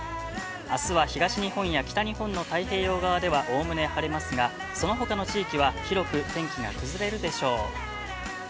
あすは東日本や北日本の太平洋側ではおおむね晴れますが、そのほかの地域は広く天気が崩れるでしょう。